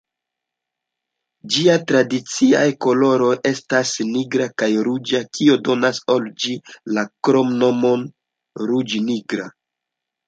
Ĝiaj tradiciaj koloroj estas nigra kaj ruĝa, kio donas al ĝi la kromnomon "ruĝ-nigra".